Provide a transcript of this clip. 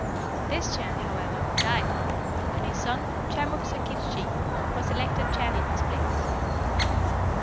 This Chan, however, died, and his son Chamuk Sakiktschi was elected Chan in his place.